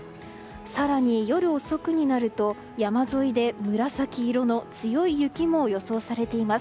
更に夜遅くになると山沿いで、紫色の強い雪も予想されています。